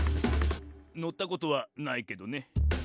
「のったことはないけどね」